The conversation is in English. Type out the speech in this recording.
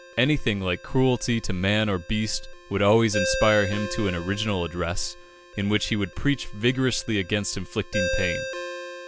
Anything like cruelty to man or beast would always inspire him to an original address, in which he would preach vigorously against inflicting pain.